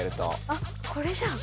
あっこれじゃん！